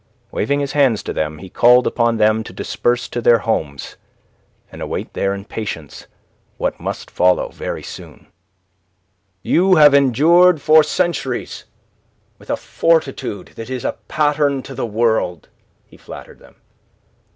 Waving his hands to them, he called upon them to disperse to their homes, and await there in patience what must follow very soon. "You have endured for centuries with a fortitude that is a pattern to the world," he flattered them.